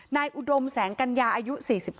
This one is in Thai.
อุดมแสงกัญญาอายุ๔๒